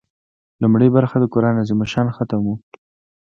لومړۍ برخه د قران عظیم الشان ختم و.